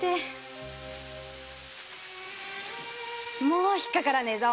「もう引っかからねぇぞ。